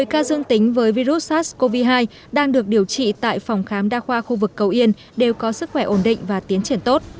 một mươi ca dương tính với virus sars cov hai đang được điều trị tại phòng khám đa khoa khu vực cầu yên đều có sức khỏe ổn định và tiến triển tốt